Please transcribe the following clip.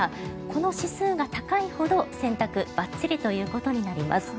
この指数が高いほど洗濯、バッチリということになります。